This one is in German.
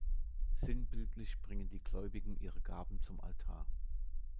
Sinnbildlich bringen die Gläubigen ihre Gaben zum Altar.